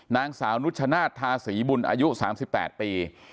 นางสาวนุชชนาธาศรีบุญอายุ๓๘ปี